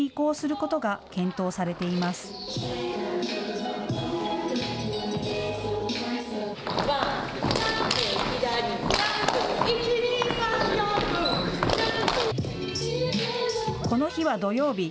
この日は土曜日。